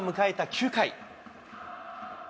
９回。